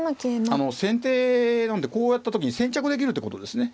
あの先手なんでこうやった時に先着できるってことですね。